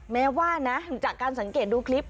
แม้ว่านะจากการสังเกตดูคลิป